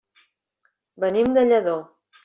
Venim de Lladó.